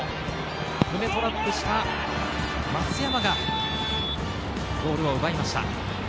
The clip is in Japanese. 胸トラップした増山がゴールを奪いました。